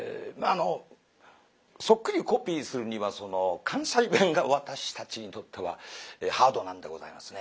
そっくりコピーするには関西弁が私たちにとってはハードなんでございますね。